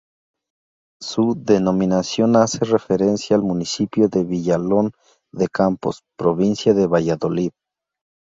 Su denominación hace referencia al municipio de Villalón de Campos, provincia de Valladolid.